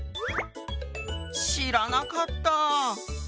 知らなかった！